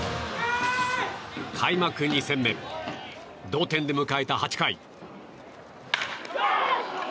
開幕２戦目、同点で迎えた８回。